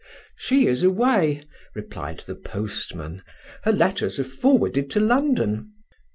"She is away," replied the postman. "Her letters are forwarded to London."